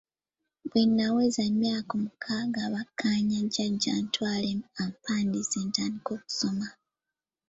Bwe naweza emyaka omukaaga bakkaanya jjajja antwale ampandiise ntandike okusoma.